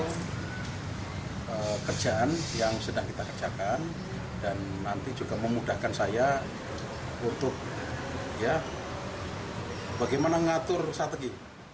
ini adalah kerjaan yang sedang kita kerjakan dan nanti juga memudahkan saya untuk bagaimana mengatur strategi